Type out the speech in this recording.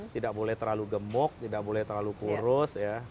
tidak boleh terlalu gemuk tidak boleh terlalu kurus ya